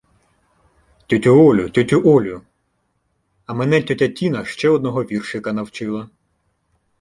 — Тьотю Олю, тьотю Олю, а мене тьотя Тіна ще одного віршика навчила!